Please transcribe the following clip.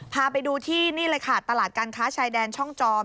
พาไปดูที่นี่เลยค่ะตลาดการค้าชายแดนช่องจอม